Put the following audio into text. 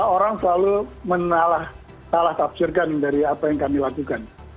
orang selalu menalah tahapirkan dari apa yang kami lakukan